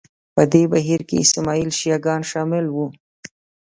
په دې بهیر کې اسماعیلي شیعه ګان شامل وو